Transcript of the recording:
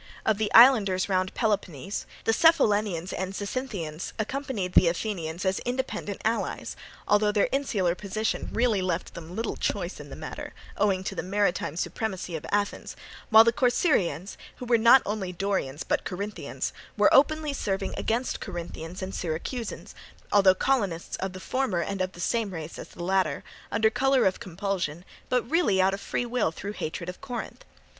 Of the islanders round Peloponnese, the Cephallenians and Zacynthians accompanied the Athenians as independent allies, although their insular position really left them little choice in the matter, owing to the maritime supremacy of Athens, while the Corcyraeans, who were not only Dorians but Corinthians, were openly serving against Corinthians and Syracusans, although colonists of the former and of the same race as the latter, under colour of compulsion, but really out of free will through hatred of Corinth.